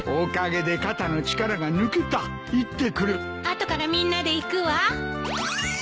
後からみんなで行くわ。